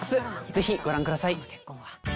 ぜひご覧ください。